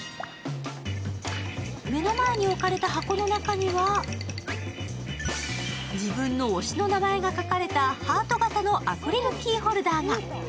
目の前に置かれた箱の中には自分の推しの名前が書かれたハート形のアクリルキーホルダーが。